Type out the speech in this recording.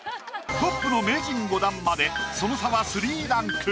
トップの名人５段までその差は３ランク。